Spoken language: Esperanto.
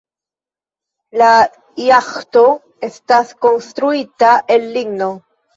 La jaĥto estas konstruita el ligno.